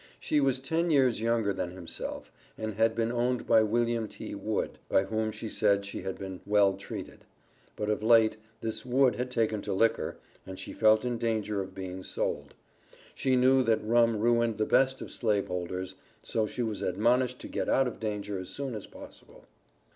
She was ten years younger than himself, and had been owned by William T. Wood, by whom she said that she had "been well treated." But of late, this Wood had taken to liquor, and she felt in danger of being sold. She knew that rum ruined the best of slave holders, so she was admonished to get out of danger as soon as possible.